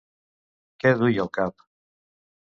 Què duia al cap?